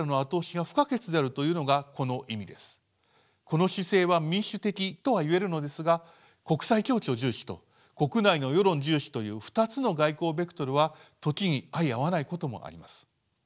この姿勢は民主的とはいえるのですが国際協調重視と国内の世論重視という２つの外交ベクトルは時に相合わないこともあります。